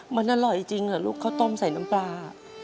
มันอร่อยจริงเหรอลูกข้าวต้มใส่น้ำปลา